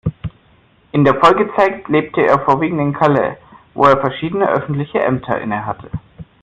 In der Folgezeit lebte er vorwiegend in Calais, wo er verschiedene öffentliche Ämter innehatte.